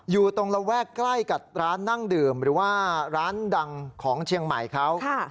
อยู่ตรงระแวกใกล้กับร้านนั่งดื่มหรือว่าร้านดังของเชียงใหม่เขา